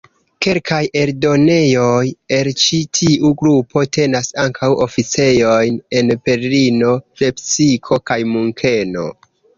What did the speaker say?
Kelkaj eldonejoj el ĉi tiu grupo tenas ankaŭ oficejojn en Berlino, Lepsiko kaj Munkeno.